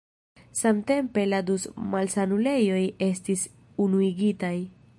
Samtempe la du malsanulejoj estis unuigitaj.